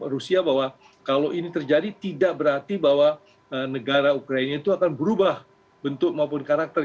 rusia bahwa kalau ini terjadi tidak berarti bahwa negara ukraina itu akan berubah bentuk maupun karakter